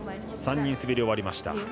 ３人滑り終わりました。